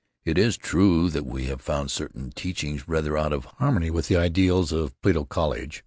It is true that we have found certain teachings rather out of harmony with the ideals of Plato College.